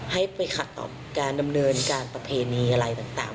ให้ไปขัดต่อการดำเนินการประเพณีอะไรต่าง